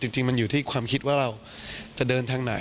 จริงมันอยู่ที่ความคิดว่าเราจะเดินทางไหน